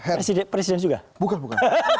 presiden juga bukan bukan